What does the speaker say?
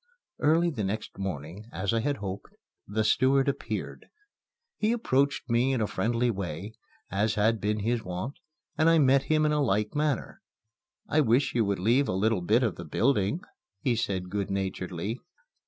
Early the next morning, as I had hoped, the steward appeared. He approached me in a friendly way (as had been his wont) and I met him in a like manner. "I wish you would leave a little bit of the building," he said good naturedly.